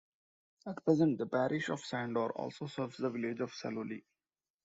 At present, the parish of Sandor also serves the village of Saloli.